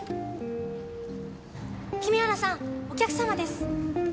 君原さんお客様です。